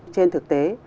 trên thực tế